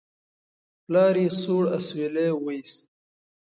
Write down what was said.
پلار یې سوړ اسویلی وایست.